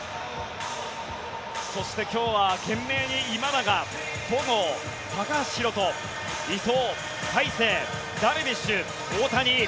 そして今日は懸命に今永、戸郷、高橋宏斗伊藤、大勢ダルビッシュ、大谷。